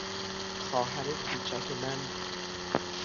خواهر کوچک من